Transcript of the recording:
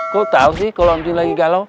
kau tahu sih kalau om jin lagi galau